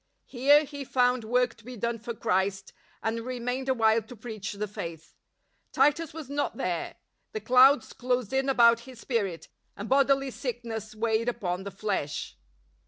Here he found "STRENGTH IN INFIRMITY" 89 work to be done for Christ, and remained awhile to preach the Faith. Titus was not there; the clouds closed in about his spirit, and bodily sickness weighed upon the flesh.